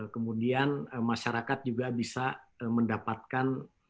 kemudian masyarakat juga bisa mendapatkan